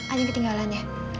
ada yang ketinggalan ya